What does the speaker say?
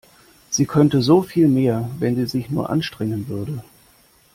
Sie könnte so viel mehr, wenn sie sich nur anstrengen würde.